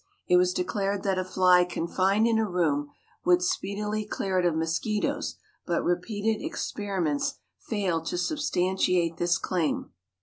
It was declared that a fly confined in a room would speedily clear it of mosquitoes, but repeated experiments failed to substantiate this claim.